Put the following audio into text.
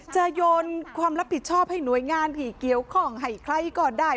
โยนความรับผิดชอบให้หน่วยงานที่เกี่ยวข้องให้ใครก็ได้